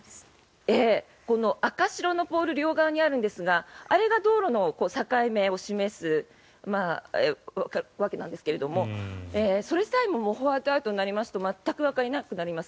この赤白のポールが両側にあるんですがあれが道路の境目を示すわけなんですけどもそれさえももうホワイトアウトになりますと全くわからなくなります。